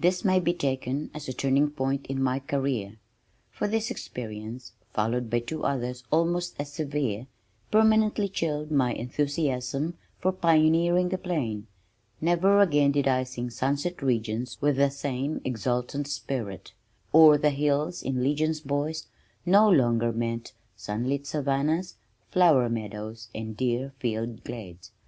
This may be taken as a turning point in my career, for this experience (followed by two others almost as severe) permanently chilled my enthusiasm for pioneering the plain. Never again did I sing "Sunset Regions" with the same exultant spirit. "O'er the hills in legions, boys," no longer meant sunlit savannahs, flower meadows and deer filled glades.